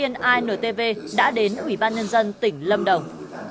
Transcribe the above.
ntv đã đến ủy ban nhân dân tỉnh lâm đồng